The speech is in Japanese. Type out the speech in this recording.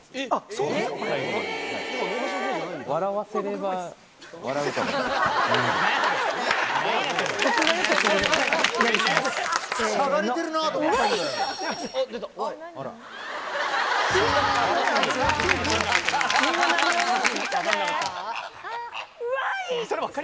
そうなんですか。